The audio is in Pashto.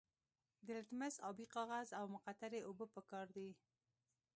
د لتمس ابي کاغذ او مقطرې اوبه پکار دي.